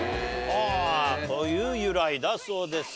という由来だそうです。